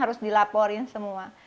harus dilaporin semua